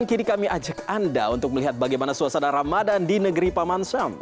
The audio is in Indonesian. kini kami ajak anda untuk melihat bagaimana suasana ramadan di negeri paman sam